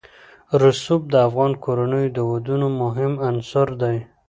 رسوب د افغان کورنیو د دودونو مهم عنصر دی.